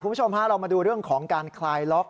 คุณผู้ชมฮะเรามาดูเรื่องของการคลายล็อก